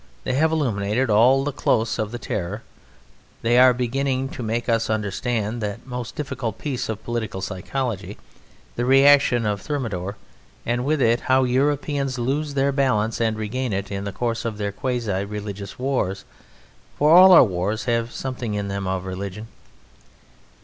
They have illuminated all the close of the Terror; they are beginning to make us understand that most difficult piece of political psychology, the reaction of Thermidor, and with it how Europeans lose their balance and regain it in the course of their quasi religious wars; for all our wars have something in them of religion.